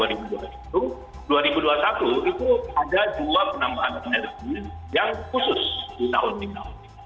dua ribu dua puluh satu itu ada dua penambahan energi yang khusus di tahun ini